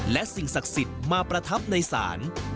และสิ่งศักดิ์สิทธิ์มาประทับในศาล